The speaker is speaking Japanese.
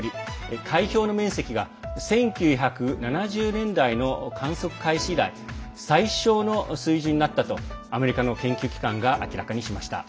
海氷の面積が１９７０年代の観測開始以来最少の水準となったとアメリカの研究機関が明らかにしました。